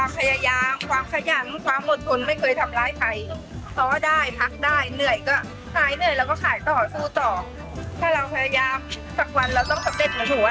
สักวันเราต้องทำเด็ดขนาดนี้